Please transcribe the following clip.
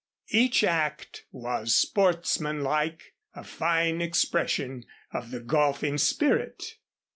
Each act was sportsman like a fine expression of the golfing spirit.